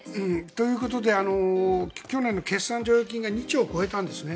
ということで去年の決算剰余金が２兆を超えたんですね。